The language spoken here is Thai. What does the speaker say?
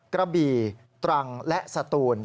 กระบี่ตรังและสตูน